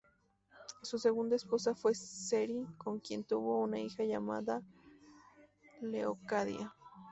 Su segunda esposa fue Seri con quien tuvo una hija llamada Leocadia.